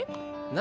何？